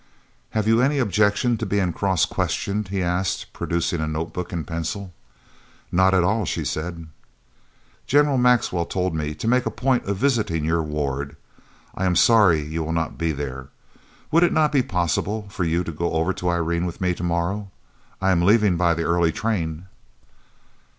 "Have you any objection to being cross questioned?" he asked, producing a notebook and pencil. "Not at all," she said. "General Maxwell told me to make a point of visiting your ward. I am sorry you will not be there. Would it not be possible for you to go over to Irene with me to morrow? I am leaving by the early train."